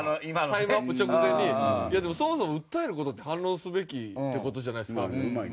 タイムアップ直前に「いやでもそもそも訴える事って反論すべきって事じゃないですか？」。